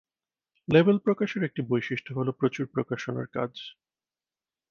Label প্রকাশের একটি বৈশিষ্ট্য হল প্রচুর প্রকাশনার কাজ।